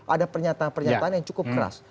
ada pernyataan pernyataan yang cukup keras